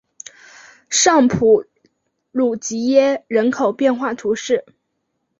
尚普鲁吉耶人口变化图示